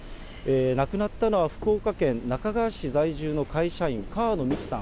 亡くなったのは福岡県那珂川市在住の会社員、川野美樹さん